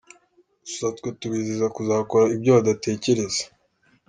Gusa twe tubizeza no kuzakora ibyo badatekereza.